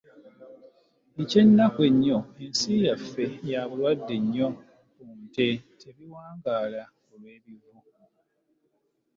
Eky'enaku ennyo ensi yaffe ya bulwade nnyo ku nte tebiwangaala olw'ebivu.